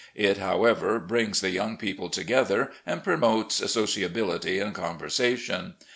It, however, brings the young people to gether, and promotes sociability and conversation.